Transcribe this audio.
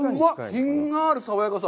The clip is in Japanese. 品がある爽やかさ。